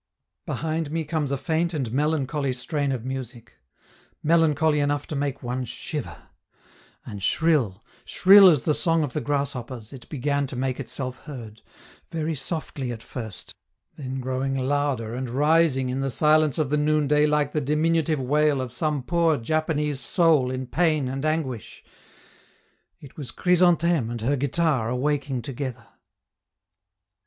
Behind me comes a faint and melancholy strain of music melancholy enough to make one shiver and shrill, shrill as the song of the grasshoppers, it began to make itself heard, very softly at first, then growing louder and rising in the silence of the noonday like the diminutive wail of some poor Japanese soul in pain and anguish; it was Chrysantheme and her guitar awaking together.